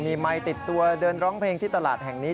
มีไมค์ติดตัวเดินร้องเพลงที่ตลาดแห่งนี้